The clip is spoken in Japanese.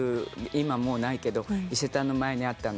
今もうないけど伊勢丹の前にあったの。